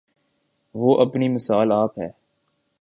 وہ اپنی مثال آپ ہے۔